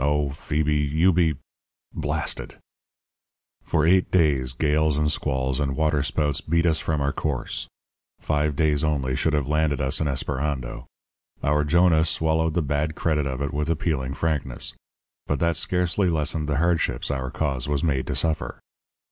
Oh, Phoebe, you be blasted!' "For eight days gales and squalls and waterspouts beat us from our course. Five days only should have landed us in Esperando. Our Jonah swallowed the bad credit of it with appealing frankness; but that scarcely lessened the hardships our cause was made to suffer.